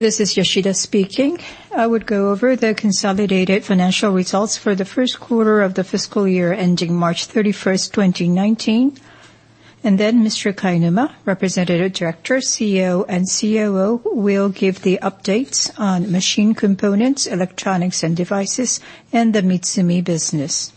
This is Yoshida speaking. I would go over the consolidated financial results for the first quarter of the fiscal year ending March 31st, 2019. Mr. Kainuma, Representative Director, CEO, and COO, will give the updates on machine components, electronics and devices, and the MITSUMI business.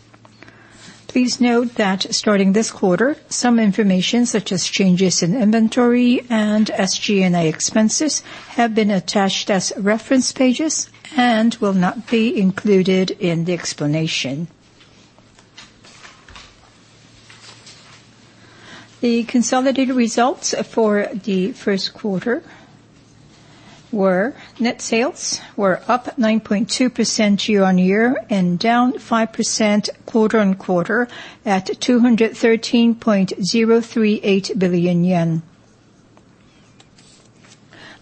Please note that starting this quarter, some information, such as changes in inventory and SG&A expenses, have been attached as reference pages and will not be included in the explanation. The consolidated results for the first quarter were, net sales were up 9.2% year-on-year and down 5% quarter-on-quarter, at JPY 213.038 billion.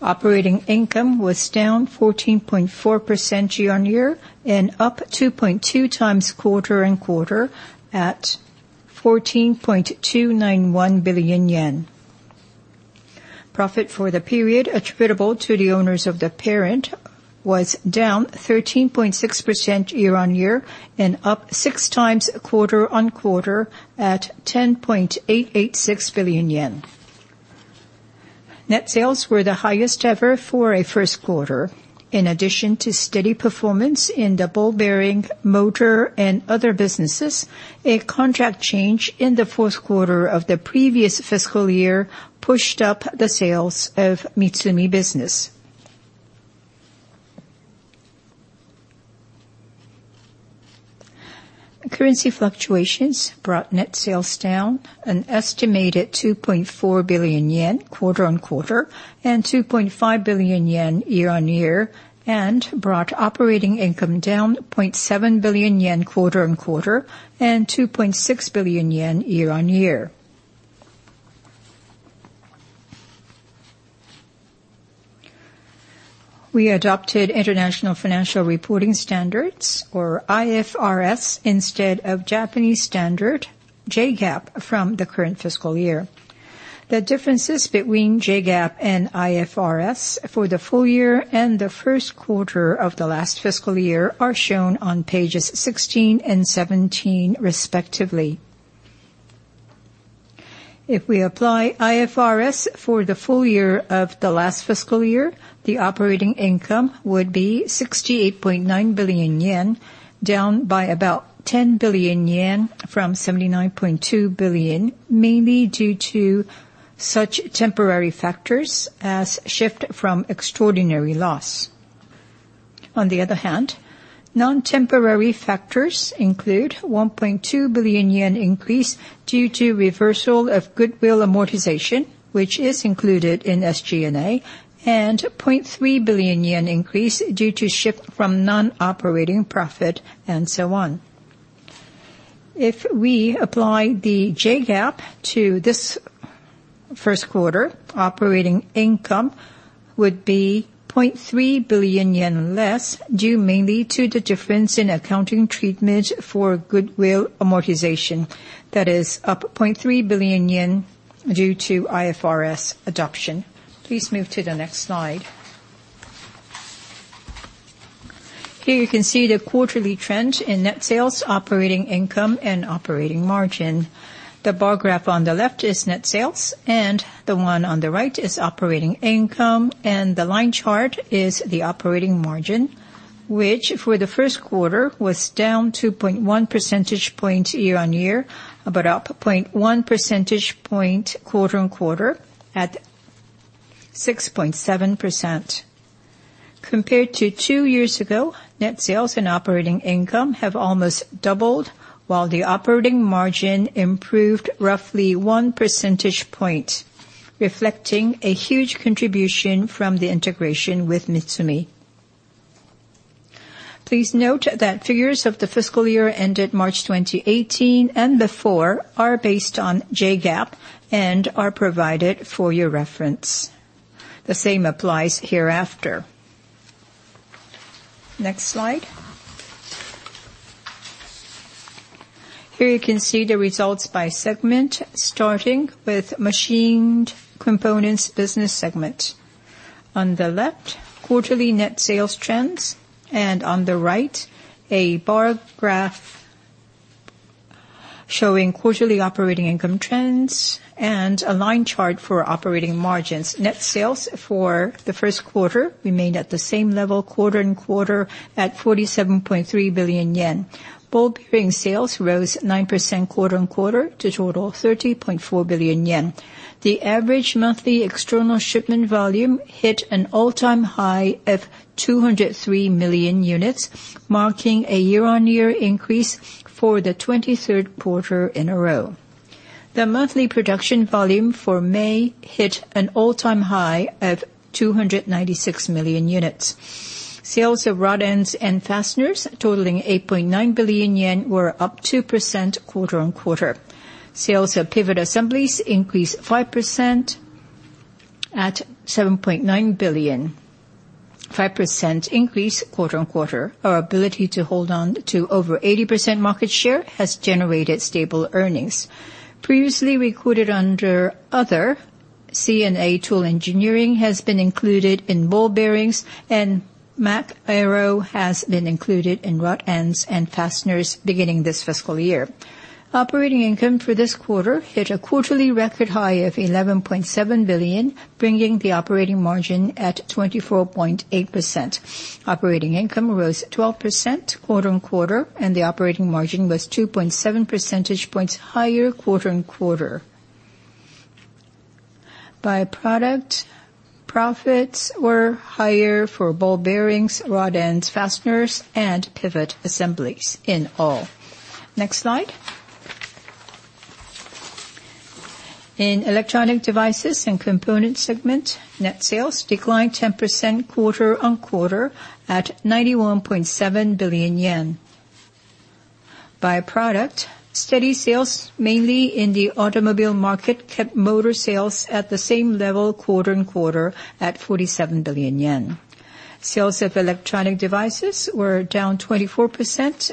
Operating income was down 14.4% year-on-year and up 2.2 times quarter-on-quarter, at 14.291 billion yen. Profit for the period attributable to the owners of the parent was down 13.6% year-on-year and up 6 times quarter-on-quarter, at 10.886 billion yen. Net sales were the highest ever for a first quarter. In addition to steady performance in the ball bearing, motor, and other businesses, a contract change in the fourth quarter of the previous fiscal year pushed up the sales of MITSUMI business. Currency fluctuations brought net sales down an estimated 2.4 billion yen quarter-on-quarter and 2.5 billion yen year-on-year, and brought operating income down 0.7 billion yen quarter-on-quarter and 2.6 billion yen year-on-year. We adopted International Financial Reporting Standards, or IFRS, instead of Japanese standard, JGAAP, from the current fiscal year. The differences between JGAAP and IFRS for the full year and the first quarter of the last fiscal year are shown on pages 16 and 17, respectively. If we apply IFRS for the full year of the last fiscal year, the operating income would be 68.9 billion yen, down by about 10 billion yen from 79.2 billion, mainly due to such temporary factors as shift from extraordinary loss. On the other hand, non-temporary factors include 1.2 billion yen increase due to reversal of goodwill amortization, which is included in SG&A, and 0.3 billion yen increase due to shift from non-operating profit and so on. If we apply the JGAAP to this first quarter, operating income would be 0.3 billion yen less, due mainly to the difference in accounting treatment for goodwill amortization. That is up 0.3 billion yen due to IFRS adoption. Please move to the next slide. Here you can see the quarterly trend in net sales, operating income, and operating margin. The bar graph on the left is net sales, and the one on the right is operating income, and the line chart is the operating margin, which for the first quarter was down 2.1 percentage point year-on-year, but up 0.1 percentage point quarter-on-quarter, at 6.7%. Compared to two years ago, net sales and operating income have almost doubled, while the operating margin improved roughly one percentage point, reflecting a huge contribution from the integration with MITSUMI. Please note that figures of the fiscal year ended March 2018 and before are based on JGAAP and are provided for your reference. The same applies hereafter. Next slide. Here you can see the results by segment, starting with machined components business segment. On the left, quarterly net sales trends, and on the right, a bar graph showing quarterly operating income trends and a line chart for operating margins. Net sales for the first quarter remained at the same level quarter-on-quarter at 47.3 billion yen. Ball bearing sales rose 9% quarter-on-quarter to total 30.4 billion yen. The average monthly external shipment volume hit an all-time high of 203 million units, marking a year-on-year increase for the 23rd quarter in a row. The monthly production volume for May hit an all-time high of 296 million units. Sales of rod ends and fasteners totaling 8.9 billion yen were up 2% quarter-on-quarter. Sales of pivot assemblies increased 5% at JPY 7.9 billion, 5% increase quarter-on-quarter. Our ability to hold on to over 80% market share has generated stable earnings. Previously recorded under other C&A Tool Engineering has been included in ball bearings, and Mach Aero has been included in rod ends and fasteners beginning this fiscal year. Operating income for this quarter hit a quarterly record high of 11.7 billion, bringing the operating margin at 24.8%. Operating income rose 12% quarter-on-quarter, and the operating margin was 2.7 percentage points higher quarter-on-quarter. By product, profits were higher for ball bearings, rod ends, fasteners, and pivot assemblies in all. Next slide. In electronic devices and components segment, net sales declined 10% quarter-on-quarter at JPY 91.7 billion. By product, steady sales, mainly in the automobile market, kept motor sales at the same level quarter-on-quarter at 47 billion yen. Sales of electronic devices were down 24%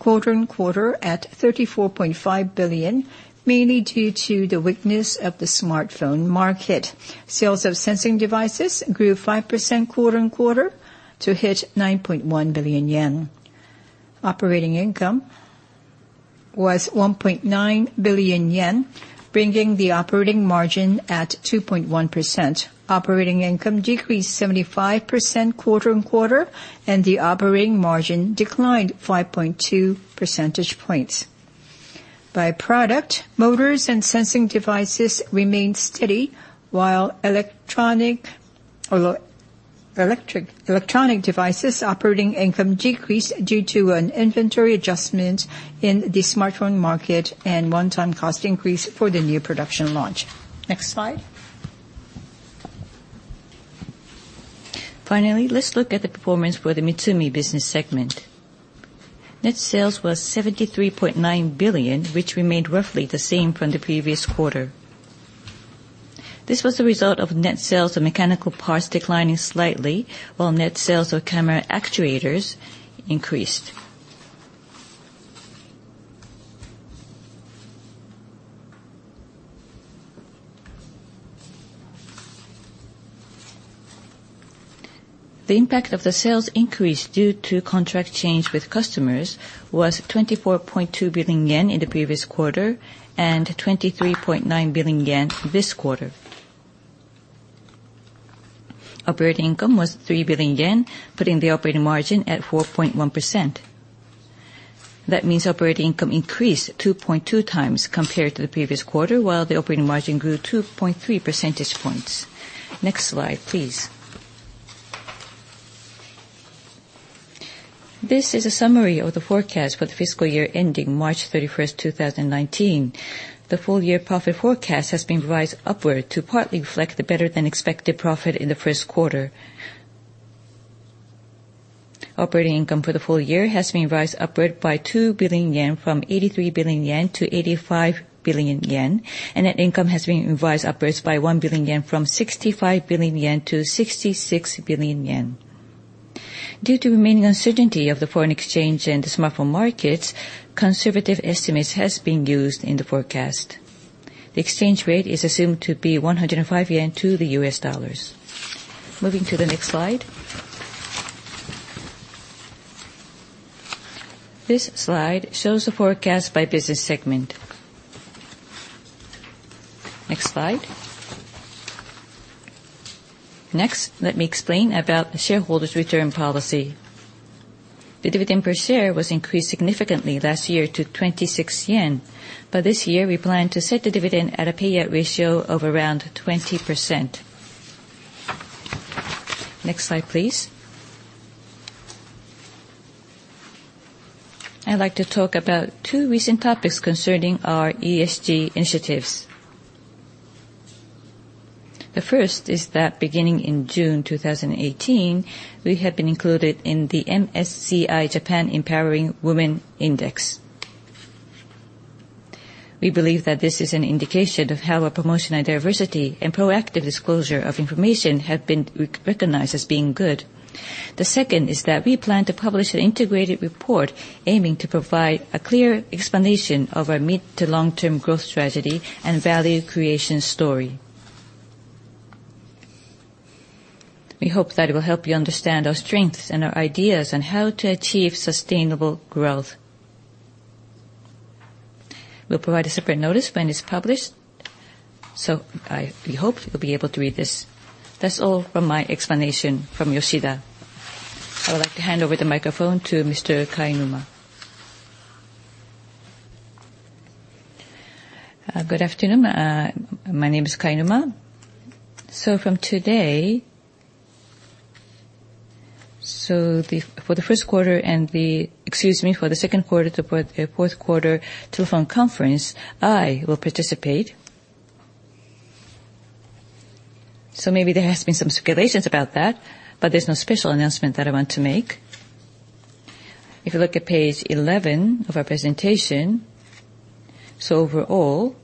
quarter-on-quarter at 34.5 billion, mainly due to the weakness of the smartphone market. Sales of Sensing devices grew 5% quarter-on-quarter to hit 9.1 billion yen. Operating income was 1.9 billion yen, bringing the operating margin at 2.1%. Operating income decreased 75% quarter-on-quarter, and the operating margin declined 5.2 percentage points. By product, motors and Sensing devices remained steady, while electronic devices' operating income decreased due to an inventory adjustment in the smartphone market and one-time cost increase for the new production launch. Next slide. Finally, let's look at the performance for the Mitsumi business segment. Net sales was 73.9 billion, which remained roughly the same from the previous quarter. This was the result of net sales of mechanical parts declining slightly, while net sales of Camera actuators increased. The impact of the sales increase due to contract change with customers was 24.2 billion yen in the previous quarter, and 23.9 billion yen this quarter. Operating income was 3 billion yen, putting the operating margin at 4.1%. That means operating income increased 2.2 times compared to the previous quarter, while the operating margin grew 2.3 percentage points. Next slide, please. This is a summary of the forecast for the fiscal year ending March 31st 2019. The full-year profit forecast has been revised upward to partly reflect the better-than-expected profit in the first quarter. Operating income for the full year has been revised upward by 2 billion yen from 83 billion yen to 85 billion yen, and net income has been revised upwards by 1 billion yen from 65 billion yen to 66 billion yen. Due to remaining uncertainty of the foreign exchange and the smartphone markets, conservative estimates has been used in the forecast. The exchange rate is assumed to be 105 yen to the U.S. dollars. Moving to the next slide. This slide shows the forecast by business segment. Next slide. Let me explain about the shareholders' return policy. The dividend per share was increased significantly last year to 26 yen, but this year, we plan to set the dividend at a payout ratio of around 20%. Next slide, please. I would like to talk about two recent topics concerning our ESG initiatives. The first is that beginning in June 2018, we have been included in the MSCI Japan Empowering Women Index. We believe that this is an indication of how a promotion of diversity and proactive disclosure of information have been recognized as being good. The second is that we plan to publish an integrated report aiming to provide a clear explanation of our mid-to-long-term growth strategy and value creation story. We hope that it will help you understand our strengths and our ideas on how to achieve sustainable growth. We will provide a separate notice when it's published, we hope you will be able to read this. That's all from my explanation from Yoshida. I would like to hand over the microphone to Mr. Kainuma. Good afternoon. My name is Kainuma. From today, for the second quarter to fourth quarter telephone conference, I will participate. Maybe there has been some speculations about that, but there's no special announcement that I want to make. If you look at page 11 of our presentation, overall,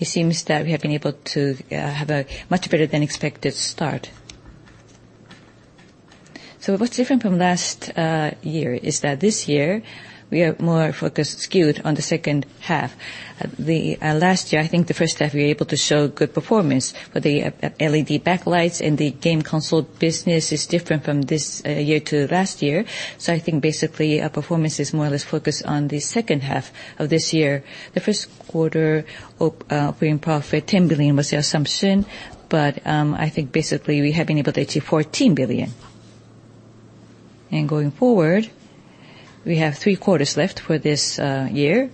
it seems that we have been able to have a much better than expected start. What's different from last year is that this year we are more focused skewed on the second half. Last year, I think the first half, we were able to show good performance with the LED backlights and the game console business is different from this year to last year. I think basically, our performance is more or less focused on the second half of this year. The first quarter operating profit, 10 billion was the assumption, but I think basically we have been able to achieve 14 billion. Going forward, we have three quarters left for this year.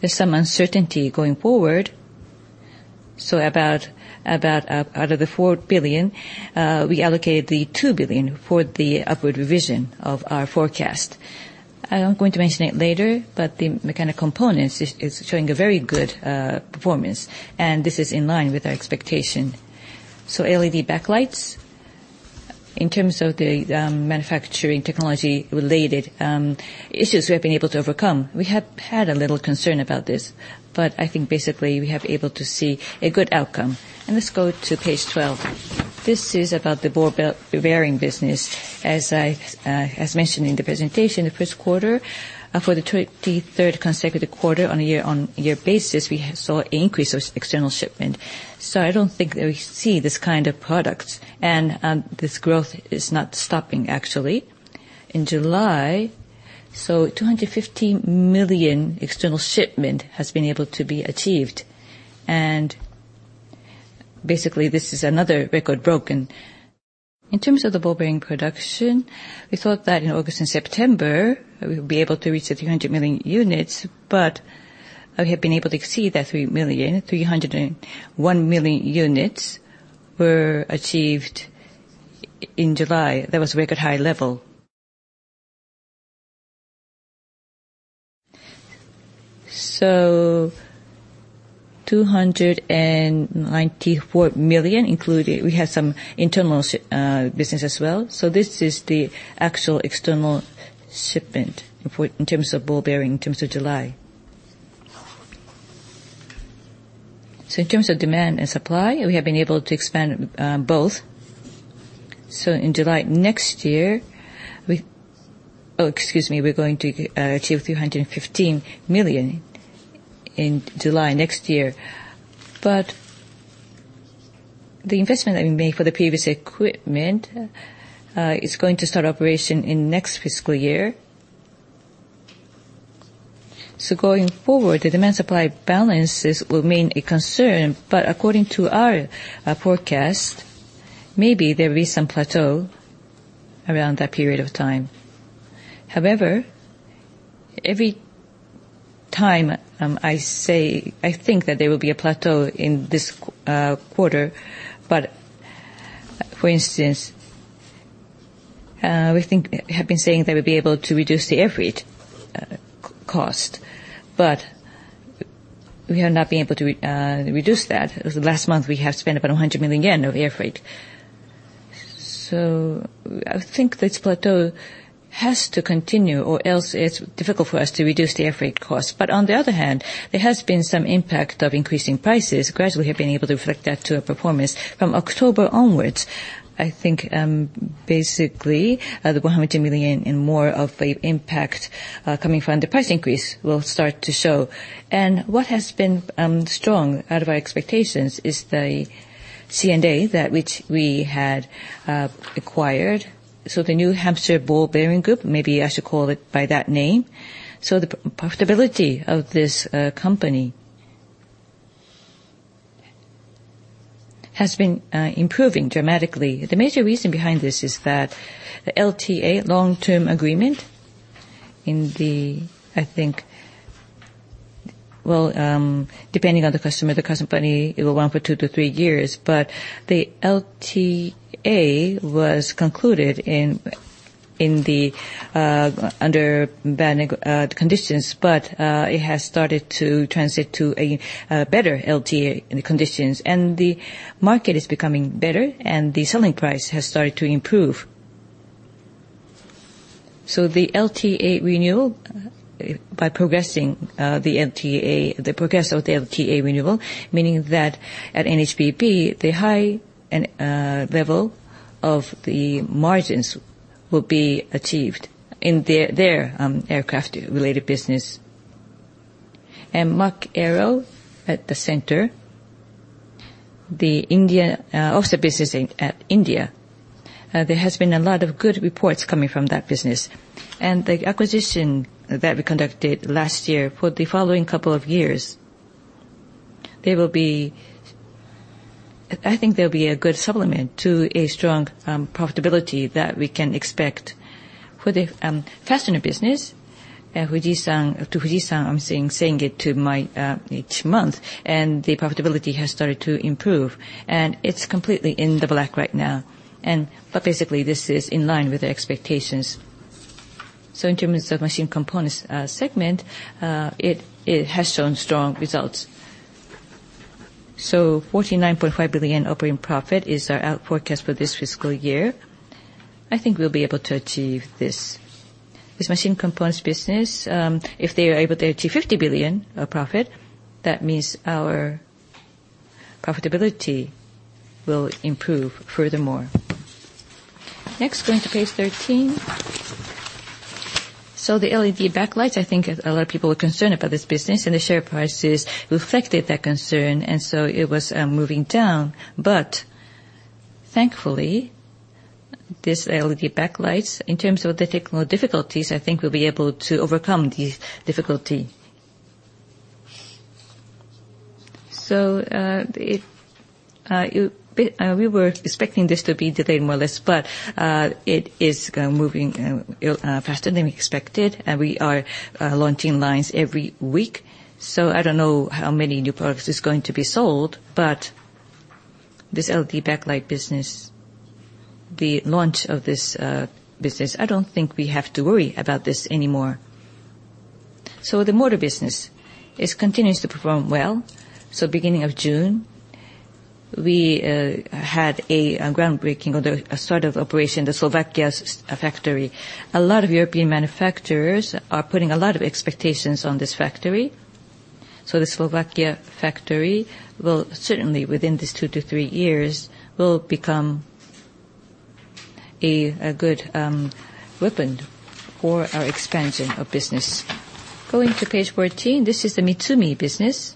There's some uncertainty going forward. About out of the 4 billion, we allocated the 2 billion for the upward revision of our forecast. I am going to mention it later, but the mechanical components is showing a very good performance, and this is in line with our expectation. LED backlights, in terms of the manufacturing technology related issues we have been able to overcome. We have had a little concern about this, I think basically we have able to see a good outcome. Let's go to page 12. This is about the ball bearing business. As mentioned in the presentation, the first quarter, for the 23rd consecutive quarter on a year-on-year basis, we saw an increase of external shipment. I don't think that we see this kind of products, and this growth is not stopping actually. In July, 250 million external shipment has been able to be achieved. Basically, this is another record broken. In terms of the ball bearing production, we thought that in August and September, we would be able to reach the 300 million units, but we have been able to exceed that 300 million. 301 million units were achieved in July. That was record high level. 294 million, including we have some internal business as well. This is the actual external shipment in terms of ball bearings in terms of July. In terms of demand and supply, we have been able to expand both. In July next year, we're going to achieve 315 million in July next year. The investment that we made for the PVC equipment is going to start operation in next fiscal year. Going forward, the demand supply balances will remain a concern, according to our forecast, maybe there will be some plateau around that period of time. However, every time I think that there will be a plateau in this quarter, for instance, we have been saying that we'll be able to reduce the air freight cost, we have not been able to reduce that. Last month, we have spent about 100 million yen of air freight. I think this plateau has to continue or else it's difficult for us to reduce the air freight cost. On the other hand, there has been some impact of increasing prices. Gradually, we have been able to reflect that to our performance from October onwards. I think, basically, the 100 million and more of the impact coming from the price increase will start to show. What has been strong out of our expectations is the C&A that which we had acquired. The New Hampshire Ball Bearings group, maybe I should call it by that name. The profitability of this company has been improving dramatically. The major reason behind this is that the LTA, long-term agreement, in the, I think Well, depending on the customer, the company, it will run for 2 to 3 years, the LTA was concluded under bad conditions. It has started to transit to a better LTA conditions, the market is becoming better, the selling price has started to improve. The LTA renewal, by progressing the LTA, the progress of the LTA renewal, meaning that at NHBB, the high level of the margins will be achieved in their aircraft-related business. Mach Aero at the center, the office business at India, there has been a lot of good reports coming from that business. The acquisition that we conducted last year for the following couple of years, I think there'll be a good supplement to a strong profitability that we can expect. For the fastener business, to Fujisan, I'm saying it to my each month, the profitability has started to improve, it's completely in the black right now. Basically, this is in line with the expectations. In terms of Mechanical components segment, it has shown strong results. 49.5 billion operating profit is our forecast for this fiscal year. I think we'll be able to achieve this. This Mechanical components business, if they are able to achieve 50 billion of profit, that means our profitability will improve furthermore. Next, going to page 13. The LED backlights, I think a lot of people are concerned about this business, the share prices reflected that concern, it was moving down. Thankfully, these LED backlights, in terms of the technical difficulties, I think we'll be able to overcome the difficulty. We were expecting this to be delayed, more or less, it is moving faster than we expected, and we are launching lines every week. I don't know how many new products is going to be sold, but this LED backlight business, the launch of this business, I don't think we have to worry about this anymore. The motor business continues to perform well. Beginning of June, we had a groundbreaking or the start of operation the Slovakia factory. A lot of European manufacturers are putting a lot of expectations on this factory. The Slovakia factory will certainly, within these two to three years, will become a good weapon for our expansion of business. Going to page 14, this is the MITSUMI business.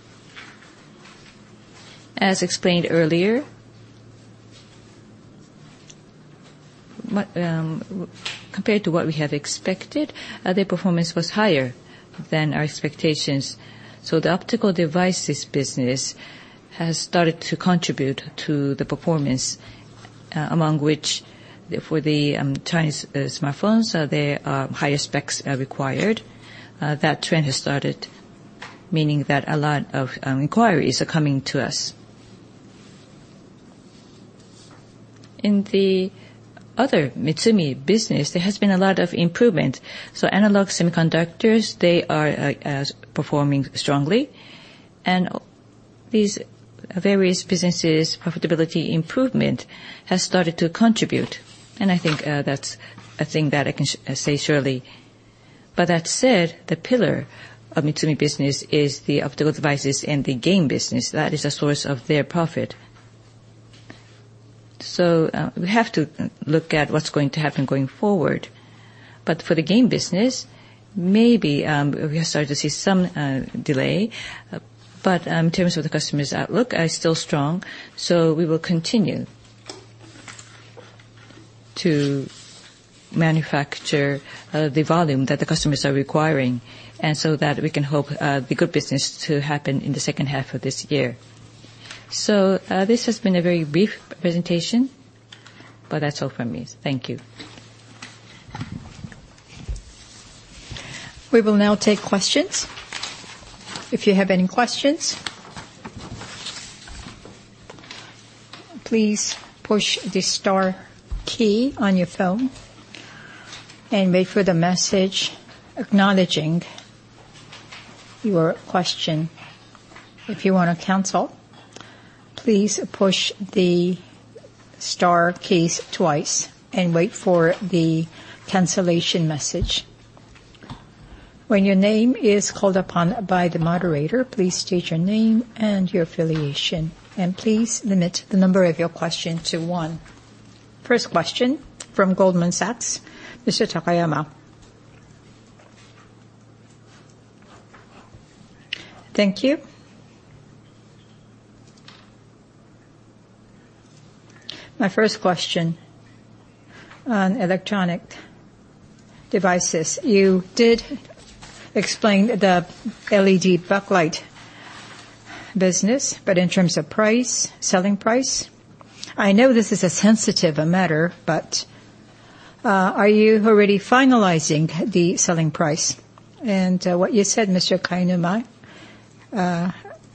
Compared to what we have expected, the performance was higher than our expectations. The optical devices business has started to contribute to the performance, among which for the Chinese smartphones, their higher specs are required. That trend has started, meaning that a lot of inquiries are coming to us. In the other MITSUMI business, there has been a lot of improvement. Analog semiconductors, they are performing strongly. These various businesses' profitability improvement has started to contribute, and I think that's a thing that I can say surely. That said, the pillar of MITSUMI business is the optical devices and the game business. That is a source of their profit. We have to look at what's going to happen going forward. For the game business, maybe we have started to see some delay, but in terms of the customers' outlook, are still strong. We will continue to manufacture the volume that the customers are requiring, and so that we can hope the good business to happen in the second half of this year. This has been a very brief presentation, that's all from me. Thank you. We will now take questions. If you have any questions, please push the star key on your phone and wait for the message acknowledging your question. If you want to cancel, please push the star key twice and wait for the cancellation message. When your name is called upon by the moderator, please state your name and your affiliation, and please limit the number of your question to one. First question from Goldman Sachs, Mr. Takayama. Thank you. My first question on electronic devices. You did explain the LED backlight business, in terms of selling price, I know this is a sensitive matter, are you already finalizing the selling price? What you said, Mr. Kainuma,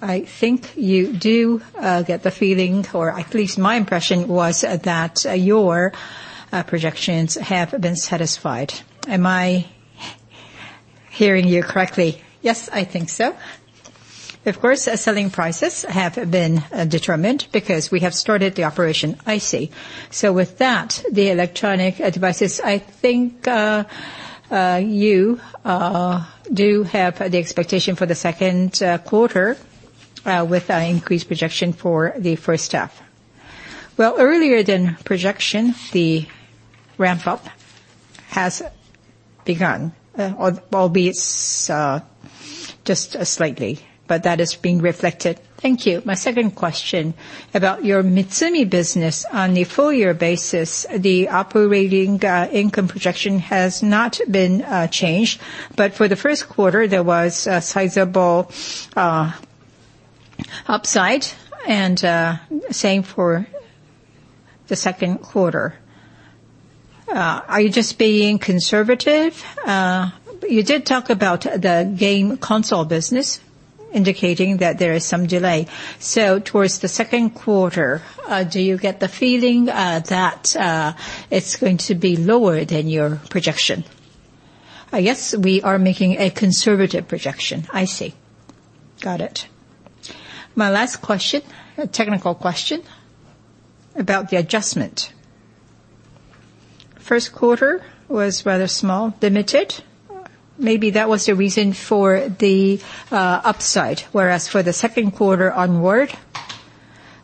I think you do get the feeling, or at least my impression was that your projections have been satisfied. Am I hearing you correctly? Yes, I think so. Of course, selling prices have been determined because we have started the operation. I see. With that, the Electronic Devices, I think you do have the expectation for the second quarter with increased projection for the first half. Well, earlier than projection, the ramp-up has begun, albeit just slightly, but that is being reflected. Thank you. My second question about your MITSUMI business. On the full-year basis, the operating income projection has not been changed, but for the first quarter, there was a sizable upside, and same for the second quarter. Are you just being conservative? You did talk about the game console business, indicating that there is some delay. Towards the second quarter, do you get the feeling that it's going to be lower than your projection? I guess we are making a conservative projection. I see. Got it. My last question, a technical question about the adjustment. First quarter was rather small, limited. Maybe that was the reason for the upside. Whereas for the second quarter onward,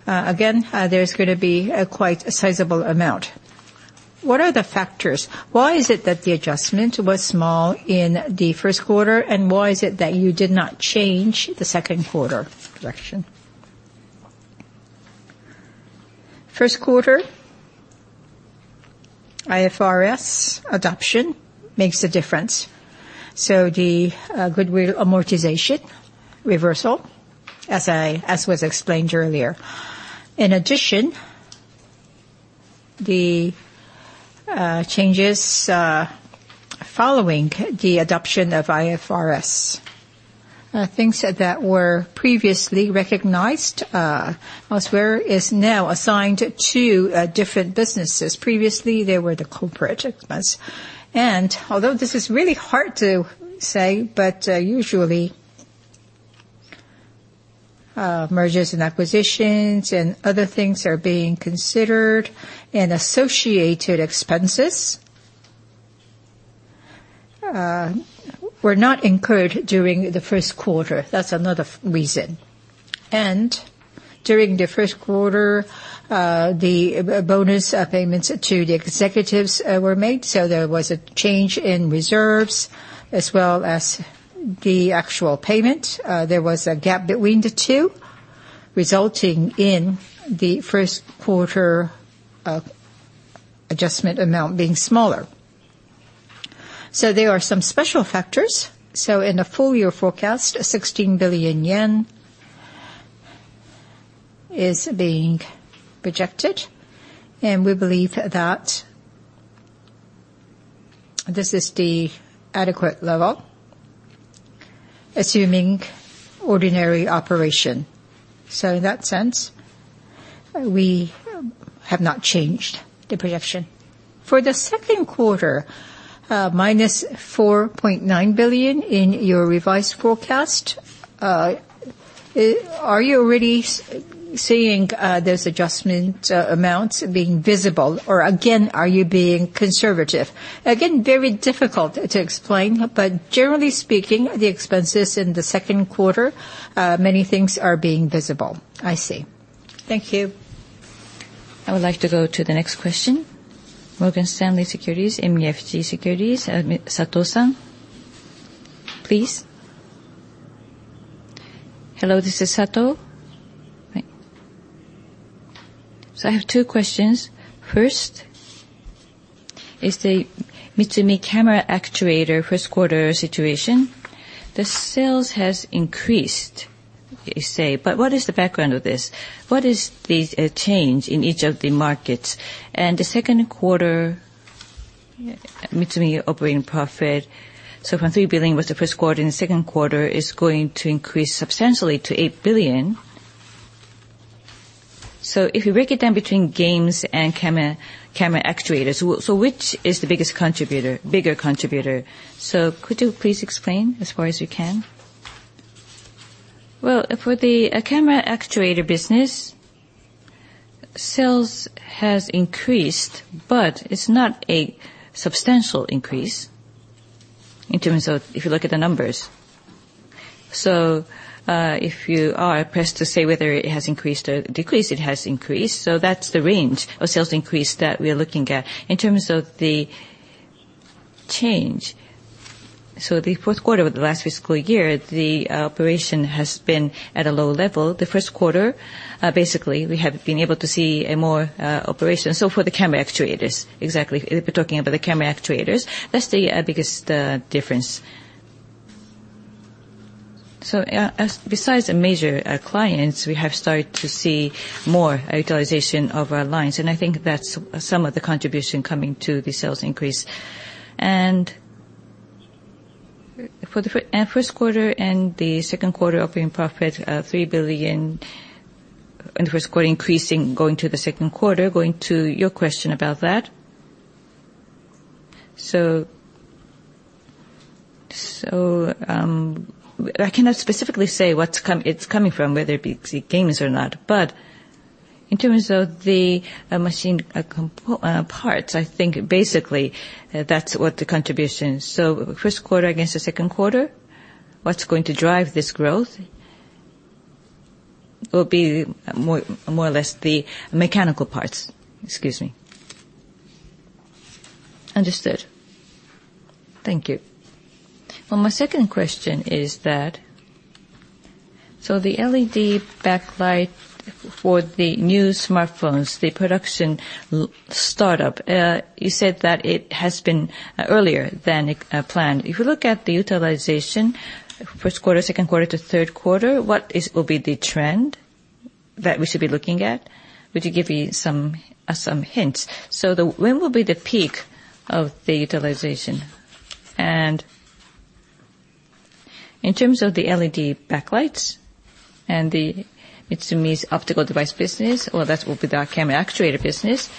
again, there's going to be a quite sizable amount. What are the factors? Why is it that the adjustment was small in the first quarter, and why is it that you did not change the second quarter projection? First quarter IFRS adoption makes a difference. The goodwill amortization reversal, as was explained earlier. In addition, the changes following the adoption of IFRS. Things that were previously recognized elsewhere is now assigned to different businesses. Previously, they were the corporate expense. Although this is really hard to say, usually, mergers and acquisitions and other things are being considered, and associated expenses were not incurred during the first quarter. That's another reason. During the first quarter, the bonus payments to the executives were made, so there was a change in reserves as well as the actual payment. There was a gap between the two, resulting in the first quarter adjustment amount being smaller. There are some special factors. In a full-year forecast, 16 billion yen is being projected, and we believe that this is the adequate level, assuming ordinary operation. In that sense, we have not changed the projection. For the second quarter, minus 4.9 billion JPY in your revised forecast. Are you already seeing those adjustment amounts being visible? Again, are you being conservative? Again, very difficult to explain, generally speaking, the expenses in the second quarter, many things are being visible. I see. Thank you. I would like to go to the next question. Morgan Stanley MUFG Securities, Sato-san, please. Hello, this is Sato. I have two questions. First is the Mitsumi Camera actuator first quarter situation. The sales has increased, you say, but what is the background of this? What is the change in each of the markets? The second quarter Mitsumi operating profit, from 3 billion was the first quarter, and the second quarter is going to increase substantially to 8 billion. If you break it down between games and Camera actuators, which is the bigger contributor? Could you please explain as far as you can? Well, for the Camera actuator business, sales has increased, but it's not a substantial increase in terms of if you look at the numbers. If you are pressed to say whether it has increased or decreased, it has increased. That's the range of sales increase that we are looking at. In terms of the change, the fourth quarter of the last fiscal year, the operation has been at a low level. The first quarter, basically, we have been able to see more operation. For the Camera actuators, exactly. If we're talking about the Camera actuators, that's the biggest difference. Besides major clients, we have started to see more utilization of our lines, and I think that's some of the contribution coming to the sales increase. For the first quarter and the second quarter operating profit of 3 billion in the first quarter increasing going to the second quarter, going to your question about that. I cannot specifically say what it's coming from, whether it be games or not. In terms of the machine parts, I think basically, that's what the contribution is. First quarter against the second quarter, what's going to drive this growth will be more or less the mechanical parts. Excuse me. Understood. Thank you. Well, my second question is that, the LED backlight for the new smartphones, the production startup, you said that it has been earlier than planned. If you look at the utilization, first quarter, second quarter to third quarter, what will be the trend that we should be looking at? Would you give me some hints? When will be the peak of the utilization? In terms of the LED backlights and the Mitsumi's Optical device business, or that will be the Camera actuator business.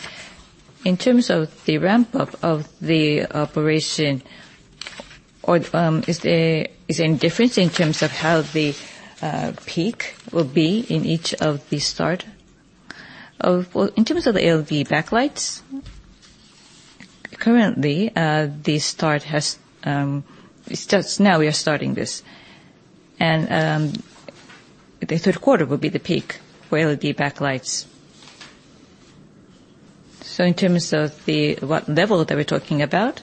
In terms of the ramp-up of the operation is there any difference in terms of how the peak will be in each of the start? In terms of the LED backlights, currently, just now we are starting this, the third quarter will be the peak for LED backlights. In terms of what level that we're talking about,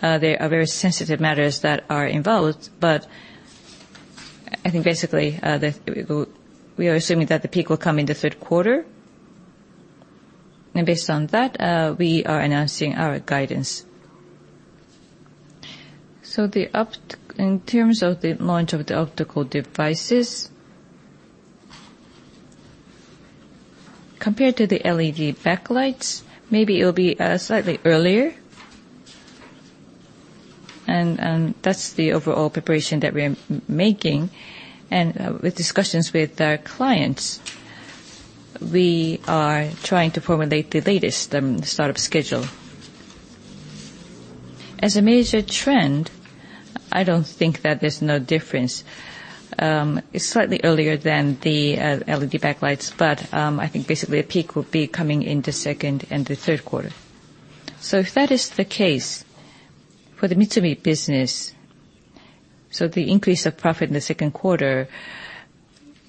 there are very sensitive matters that are involved. I think basically, we are assuming that the peak will come in the third quarter. Based on that, we are announcing our guidance. In terms of the launch of the Optical devices, compared to the LED backlights, maybe it'll be slightly earlier. That's the overall preparation that we're making. With discussions with our clients, we are trying to formulate the latest startup schedule. As a major trend, I don't think that there's no difference. Slightly earlier than the LED backlights, I think basically, a peak will be coming in the second and the third quarter. If that is the case, for the Mitsumi business, the increase of profit in the second quarter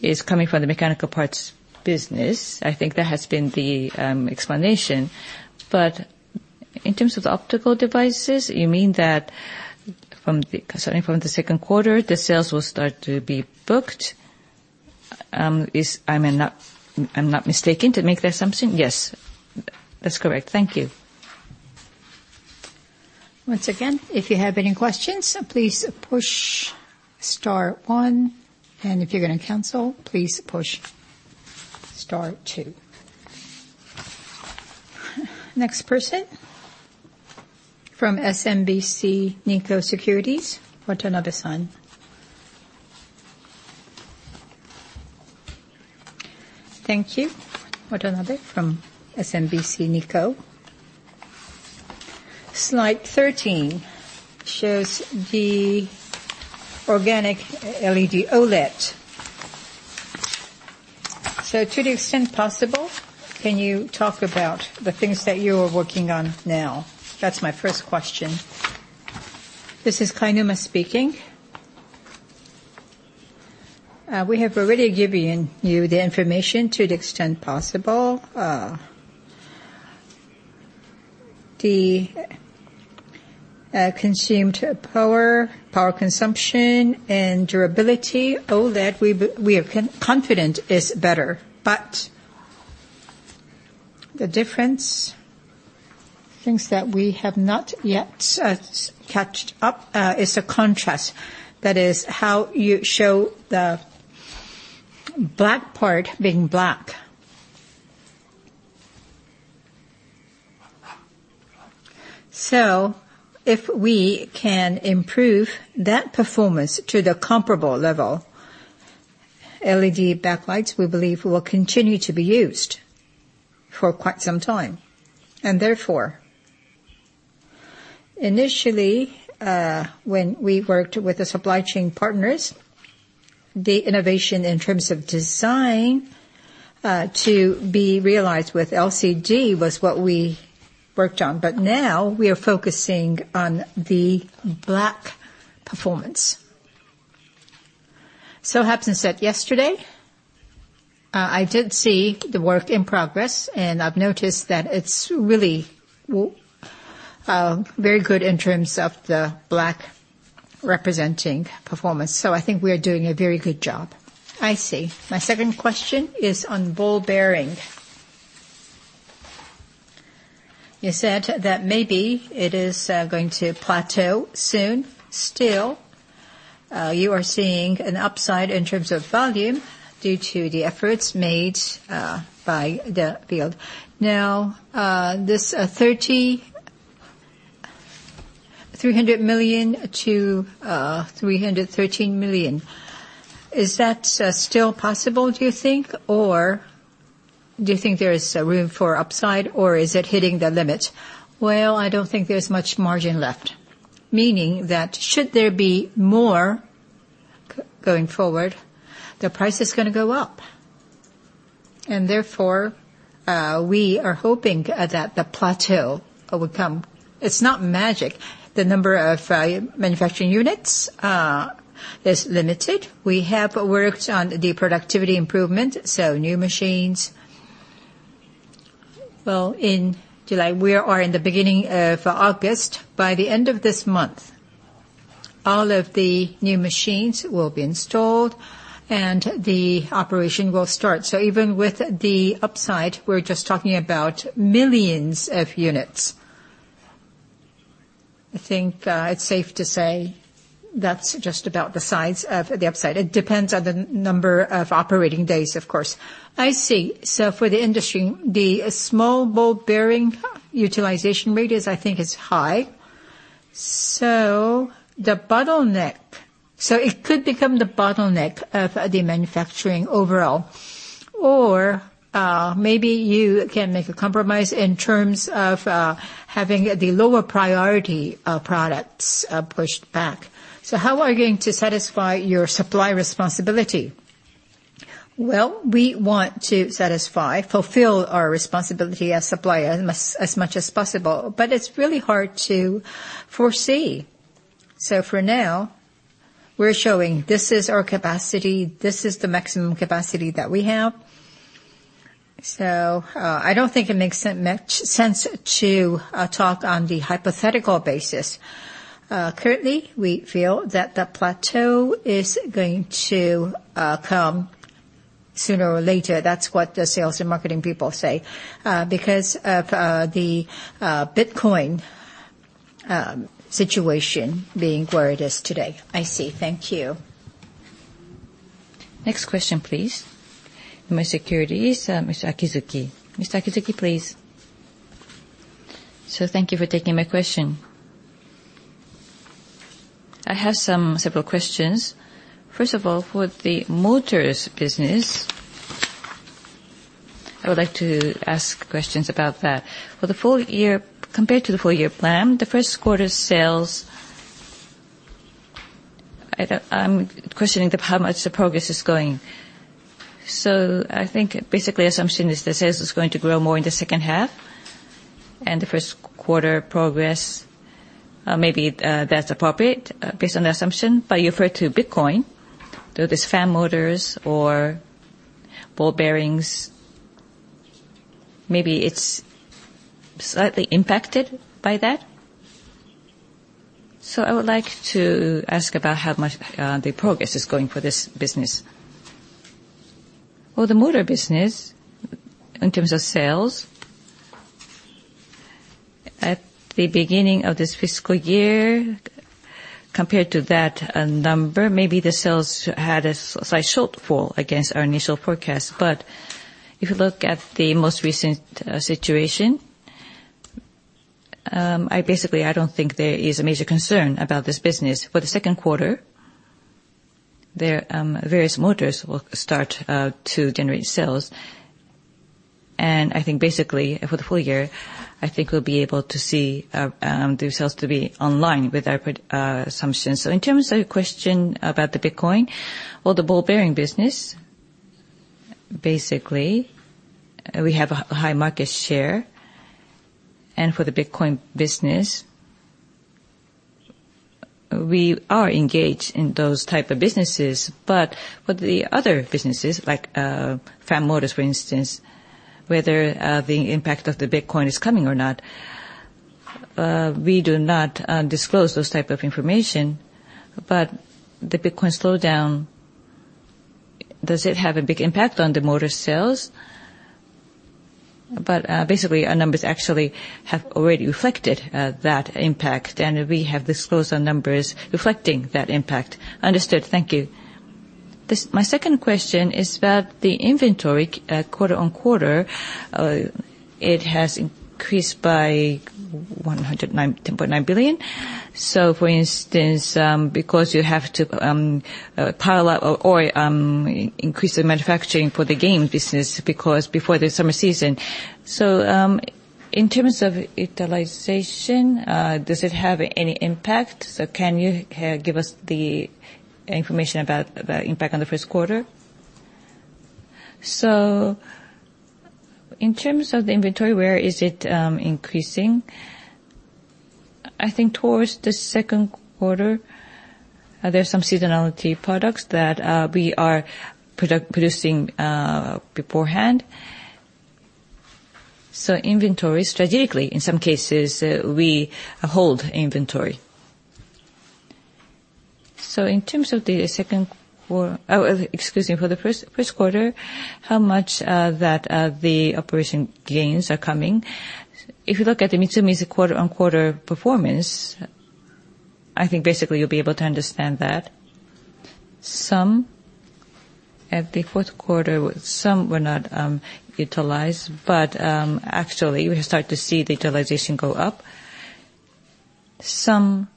is coming from the mechanical parts business. I think that has been the explanation. In terms of the Optical devices, you mean that starting from the second quarter, the sales will start to be booked? I'm not mistaken to make that assumption? Yes. That's correct. Thank you. Once again, if you have any questions, please push star one, and if you're going to cancel, please push star two. Next person from SMBC Nikko Securities, Watanabe-san. Thank you. Watanabe from SMBC Nikko. Slide 13 shows the organic LED OLED. To the extent possible, can you talk about the things that you are working on now? That's my first question. This is Kainuma speaking. We have already given you the information to the extent possible. The consumed power consumption, and durability, OLED, we are confident is better. The difference, things that we have not yet caught up is the contrast. That is how you show the black part being black. If we can improve that performance to the comparable level, LED backlights, we believe, will continue to be used for quite some time. Therefore, initially, when we worked with the supply chain partners, the innovation in terms of design to be realized with LCD was what we worked on. Now we are focusing on the black performance. Happen is that yesterday, I did see the work in progress, and I've noticed that it's really very good in terms of the black representing performance. I think we are doing a very good job. I see. My second question is on ball bearing. You said that maybe it is going to plateau soon. Still, you are seeing an upside in terms of volume due to the efforts made by the field. This 300 million to 313 million, is that still possible, do you think? Or do you think there is room for upside, or is it hitting the limit? I don't think there's much margin left. Meaning that should there be more going forward, the price is going to go up. Therefore, we are hoping that the plateau will come. It's not magic. The number of manufacturing units is limited. We have worked on the productivity improvement, so new machines. In July, we are in the beginning of August. By the end of this month, all of the new machines will be installed and the operation will start. Even with the upside, we're just talking about millions of units. I think it's safe to say that's just about the size of the upside. It depends on the number of operating days, of course. I see. For the industry, the small ball bearing utilization rate is, I think, high. It could become the bottleneck of the manufacturing overall. Maybe you can make a compromise in terms of having the lower priority products pushed back. How are you going to satisfy your supply responsibility? We want to satisfy, fulfill our responsibility as supplier as much as possible. It's really hard to foresee. For now, we're showing this is our capacity, this is the maximum capacity that we have. I don't think it makes much sense to talk on the hypothetical basis. Currently, we feel that the plateau is going to come sooner or later. That's what the sales and marketing people say. Because of the Bitcoin situation being where it is today. I see. Thank you. Next question, please. Nomura Securities, Mr. Akizuki. Mr. Akizuki, please. Thank you for taking my question. I have some several questions. First of all, for the motors business, I would like to ask questions about that. For the full year, compared to the full-year plan, the first quarter sales, I'm questioning how much the progress is going. I think basically assumption is the sales is going to grow more in the second half. The first quarter progress, maybe that's appropriate based on the assumption. You refer to Bitcoin. Though this fan motors or ball bearings, maybe it's slightly impacted by that? I would like to ask about how much the progress is going for this business. Well, the motor business, in terms of sales, at the beginning of this fiscal year, compared to that number, maybe the sales had a slight shortfall against our initial forecast. If you look at the most recent situation, basically, I don't think there is a major concern about this business. For the second quarter, various motors will start to generate sales. I think basically, for the full year, I think we'll be able to see those sales to be online with our assumptions. In terms of the question about the Bitcoin, well, the ball bearing business, basically, we have a high market share. For the Bitcoin business, we are engaged in those type of businesses. For the other businesses, like fan motors, for instance, whether the impact of the Bitcoin is coming or not, we do not disclose those type of information. The Bitcoin slowdown, does it have a big impact on the motor sales? Basically, our numbers actually have already reflected that impact, and we have disclosed our numbers reflecting that impact. Understood. Thank you. My second question is about the inventory quarter-on-quarter. It has increased by 109.9 billion. For instance, because you have to parallel or increase the manufacturing for the game business because before the summer season. In terms of utilization, does it have any impact? Can you give us the information about the impact on the first quarter? In terms of the inventory, where is it increasing? I think towards the second quarter, there's some seasonality products that we are producing beforehand. Inventory, strategically, in some cases, we hold inventory. In terms of the first quarter, how much that the operation gains are coming? If you look at the Mitsumi quarter-on-quarter performance, I think basically you'll be able to understand that. Some at the fourth quarter, some were not utilized, actually we start to see the utilization go up. Some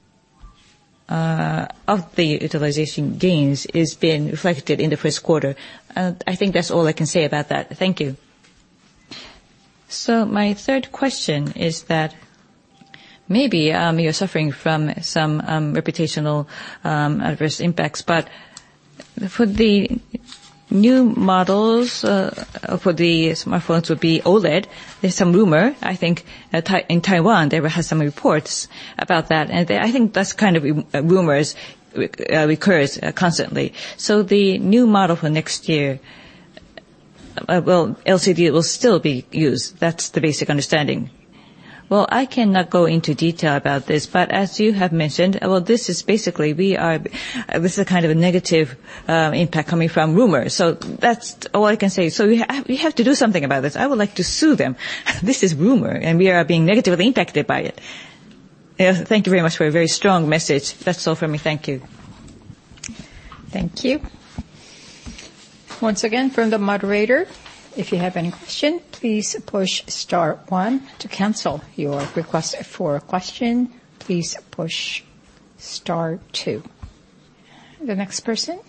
of the utilization gains is being reflected in the first quarter. I think that's all I can say about that. Thank you. My third question is that maybe you're suffering from some reputational adverse impacts, for the new models for the smartphones would be OLED. There's some rumor, I think, in Taiwan, they have some reports about that. I think that kind of rumors recurs constantly. The new model for next year, well, LCD will still be used. That's the basic understanding. Well, I cannot go into detail about this, but as you have mentioned, well, this is basically a kind of a negative impact coming from rumors. That's all I can say. We have to do something about this. I would like to sue them. This is rumor, and we are being negatively impacted by it. Thank you very much for a very strong message. That's all from me. Thank you. Thank you. Once again, from the moderator, if you have any question, please push star one. To cancel your request for a question, please push star two. The next person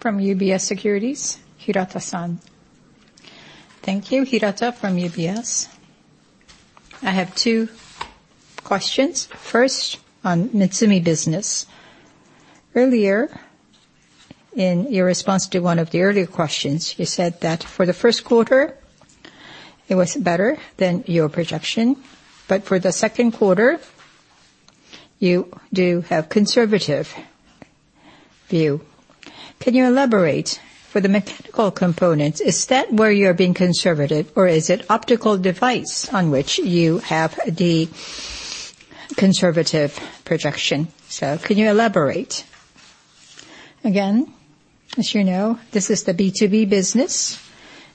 from UBS Securities, Hirata-san. Thank you. Hirata from UBS. I have two questions. First, on Mitsumi business. Earlier in your response to one of the earlier questions, you said that for the first quarter it was better than your projection, but for the second quarter, you do have conservative view. Can you elaborate? For the mechanical components, is that where you're being conservative, or is it optical device on which you have the conservative projection? Can you elaborate? Again, as you know, this is the B2B business,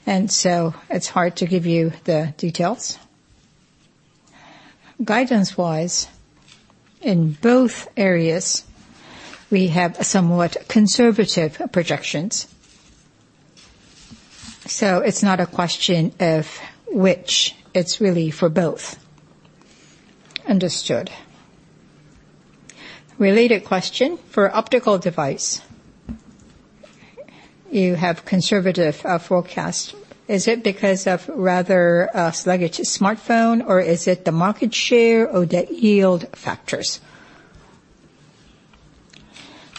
it's hard to give you the details. Guidance-wise, in both areas, we have somewhat conservative projections. It's not a question of which, it's really for both. Understood. Related question for optical device. You have conservative forecast. Is it because of rather a sluggish smartphone, or is it the market share or the yield factors?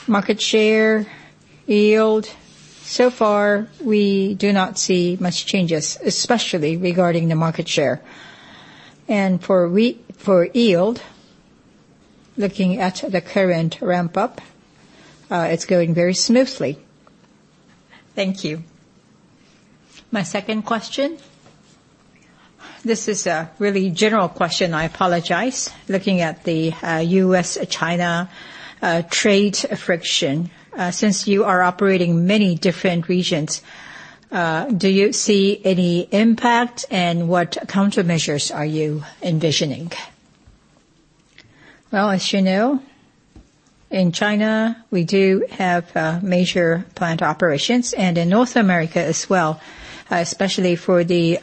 Market share, yield. So far, we do not see much changes, especially regarding the market share. For yield, looking at the current ramp-up, it's going very smoothly. Thank you. My second question, this is a really general question, I apologize. Looking at the U.S.-China trade friction, since you are operating many different regions, do you see any impact, and what countermeasures are you envisioning? As you know, in China, we do have major plant operations, and in North America as well, especially for the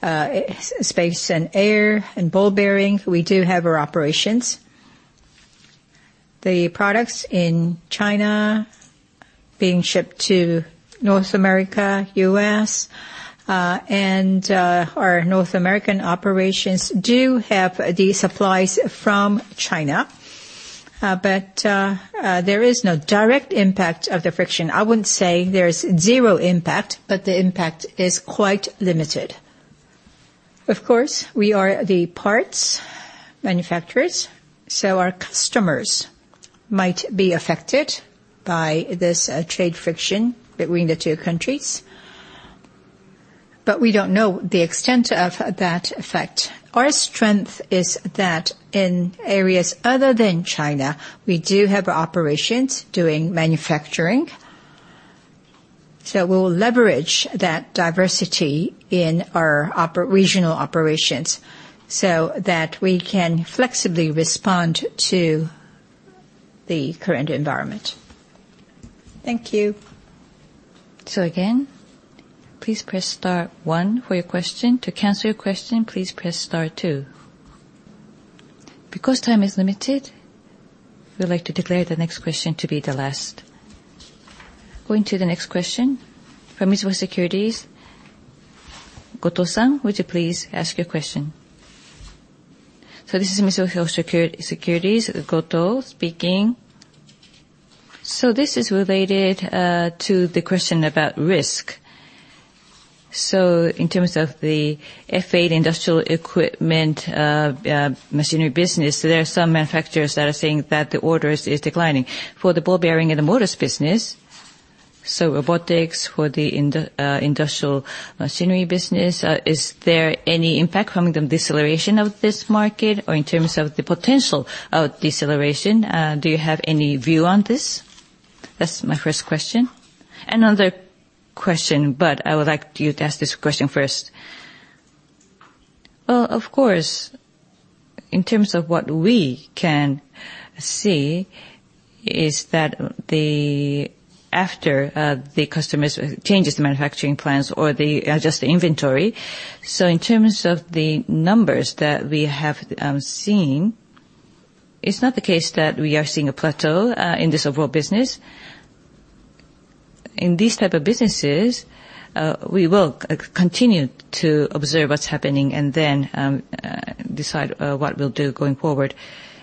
aerospace and ball bearings, we do have our operations. The products in China being shipped to North America, U.S. Our North American operations do have the supplies from China. There is no direct impact of the friction. I wouldn't say there is zero impact, but the impact is quite limited. Of course, we are the parts manufacturers, so our customers might be affected by this trade friction between the two countries. We don't know the extent of that effect. Our strength is that in areas other than China, we do have operations doing manufacturing. We'll leverage that diversity in our regional operations so that we can flexibly respond to the current environment. Thank you. Again, please press star one for your question. To cancel your question, please press star two. Because time is limited, we'd like to declare the next question to be the last. Going to the next question from Mizuho Securities, Goto-san, would you please ask your question? This is Mizuho Securities, Goto speaking. This is related to the question about risk. In terms of the FA industrial equipment, machinery business, there are some manufacturers that are saying that the orders is declining. For the ball bearings and the motors business, robotics for the industrial machinery business, is there any impact from the deceleration of this market, or in terms of the potential of deceleration, do you have any view on this? That's my first question. Another question, but I would like you to answer this question first. Well, of course, in terms of what we can see is that after the customers change the manufacturing plans or they adjust the inventory. In terms of the numbers that we have seen, it's not the case that we are seeing a plateau in this overall business. In these types of businesses, we will continue to observe what's happening and then decide what we'll do going forward.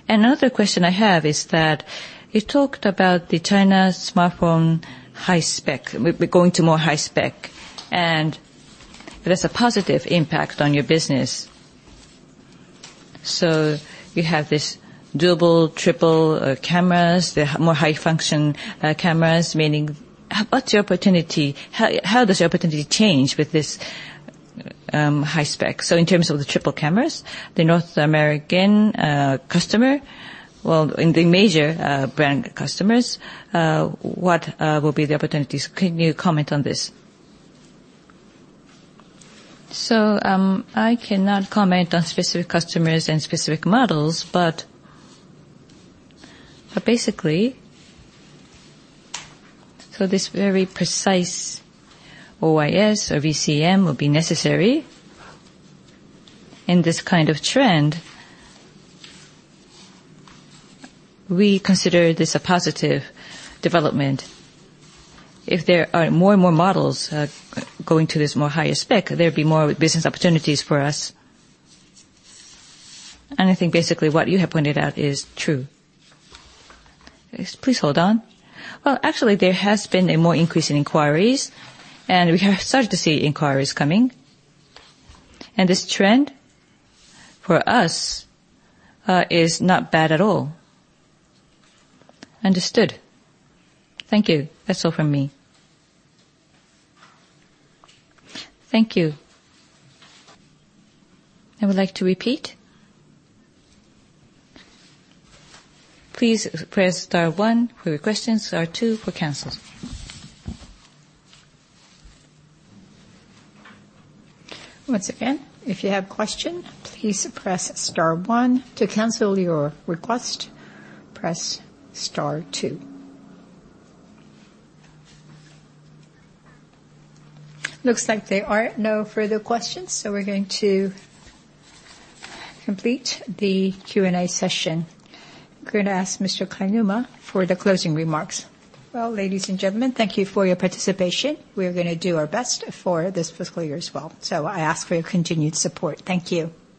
Another question I have is that you talked about the China smartphone high spec. We're going to more high spec. There's a positive impact on your business. You have this dual-camera, triple cameras, the more high function cameras. What's your opportunity? How does your opportunity change with this high spec? In terms of the triple cameras, the North American customer, well, in the major brand customers, what will be the opportunities? Can you comment on this? I cannot comment on specific customers and specific models. Basically, so this very precise OIS or VCM will be necessary in this kind of trend. We consider this a positive development. If there are more and more models going to this more higher spec, there'd be more business opportunities for us. I think basically what you have pointed out is true. Yes. Please hold on. Well, actually, there has been a more increase in inquiries, and we have started to see inquiries coming. This trend for us is not bad at all. Understood. Thank you. That's all from me. Thank you. I would like to repeat. Please press star one for your questions, star two for cancels. Once again, if you have questions, please press star one. To cancel your request, press star two. Looks like there are no further questions, so we're going to complete the Q&A session. Going to ask Mr. Kainuma for the closing remarks. Well, ladies and gentlemen, thank you for your participation. We are going to do our best for this fiscal year as well, so I ask for your continued support. Thank you.